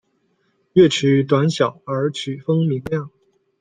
乐曲短小而曲风明亮。